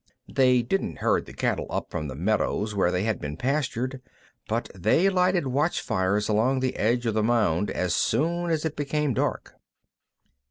They didn't herd the cattle up from the meadows where they had been pastured, but they lighted watch fires along the edge of the mound as soon as it became dark.